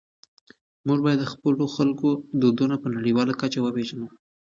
موږ باید د خپلو خلکو دودونه په نړيواله کچه وپېژنو.